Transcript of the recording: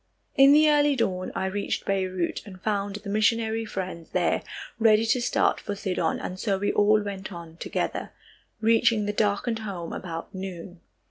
In the early dawn, I reached Beirut and found the missionary friends there ready to start for Sidon, and so we all went on together, reaching the darkened home about noon.